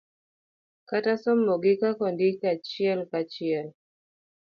kata somogi kaka ondikgi achiel kachiel